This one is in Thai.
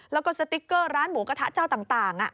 แล้วก็สติ๊กเกอร์ร้านหมูกระทะเจ้าต่าง